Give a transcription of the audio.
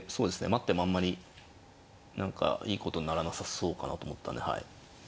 待ってもあんまり何かいいことにならなさそうかなと思ったんではい。